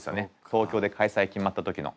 東京で開催決まった時の。